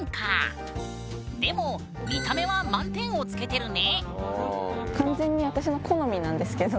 でも見た目は満点を付けてるね！